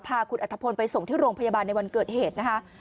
พาคุณอัฐพลไปส่งที่โรงพยาบาลในวันเกิดเหตุนะคะ